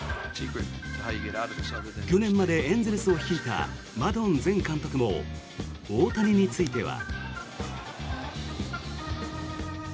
去年までエンゼルスを率いたマドン前監督も大谷については。